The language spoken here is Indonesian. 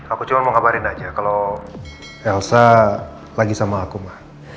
aku cuma mau kabarin aja kalau elsa lagi sama aku mah